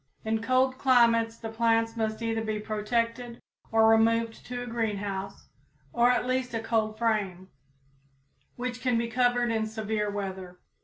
In cold climates the plants must either be protected or removed to a greenhouse, or at least a cold frame, which can be covered in severe weather.